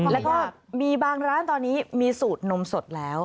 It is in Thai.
แล้วก็มีบางร้านตอนนี้มีสูตรนมสดแล้ว